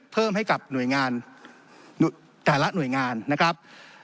เพิ่มให้กับหน่วยงานแต่ละหน่วยงานนะครับ